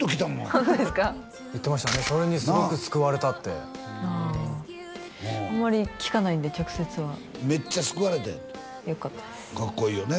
ホントですか言ってましたすごく救われたってあんまり聞かないんで直接はメッチャ救われたんやってよかったですかっこいいよね